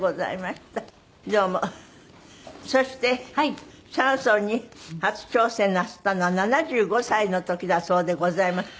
そしてシャンソンに初挑戦なすったのは７５歳の時だそうでございます。